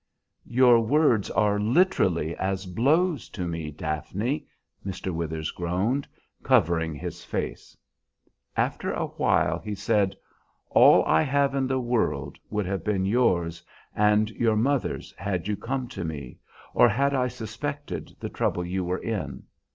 "Your words are literally as blows to me, Daphne," Mr. Withers groaned, covering his face. After a while he said, "All I have in the world would have been yours and your mother's had you come to me, or had I suspected the trouble you were in.